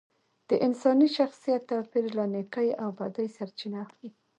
د انساني شخصیت توپیر له نیکۍ او بدۍ سرچینه اخلي